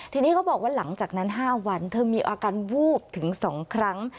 ทีนี้เขาบอกว่าหลังจากนั้น๕วันเธอมีอาการวูบถึง๒ครั้ง